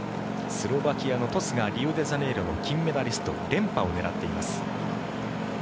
スロバキアのトスがリオデジャネイロの金メダリスト連覇を狙っています。